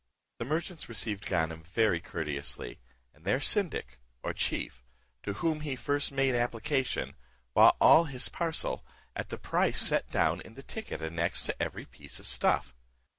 The merchants received Ganem very courteously, and their syndic, or chief, to whom he first made application, bought all his parcel, at the price set down in the ticket annexed to every piece of stuff.